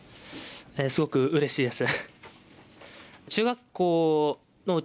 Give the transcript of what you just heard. すごくうれしいです。